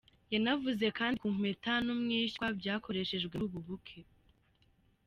Yanavuze kandi ku impeta n’umwishywa byakoreshejwe muri ubu bukwe.